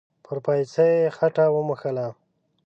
پر پايڅه يې خټه و موښله.